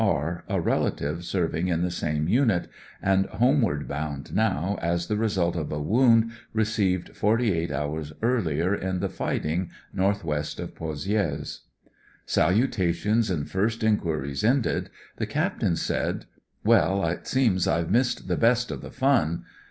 R , a relative serving in the same unit, and homeward bound now, as the result of a wound received forty eight hours earlier in the fighting north west of Pozi^res. 190 THE DIFFERENCE 191 Salutations and first inquiries ended, the Captain said : "Well, it seems I've missed the best of the fun.